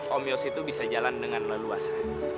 om yos itu bisa jalan dengan leluasa